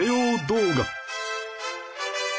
動画